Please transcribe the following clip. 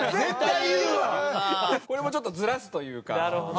これもちょっとずらすというか。